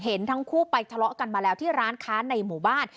ทั้งคู่ไปทะเลาะกันมาแล้วที่ร้านค้าในหมู่บ้าน